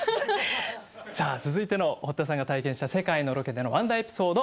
さあ続いての堀田さんが体験した世界のロケでのワンダーエピソード